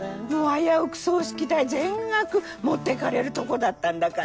危うく葬式代全額持ってかれるとこだったんだから。